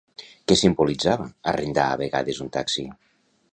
Què simbolitzava arrendar a vegades un taxi?